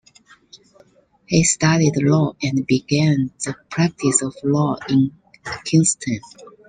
He studied law and began the practice of law in Kingston.